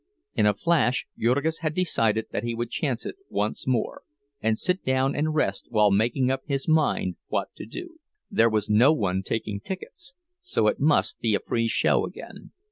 In a flash Jurgis had decided that he would chance it once more, and sit down and rest while making up his mind what to do. There was no one taking tickets, so it must be a free show again.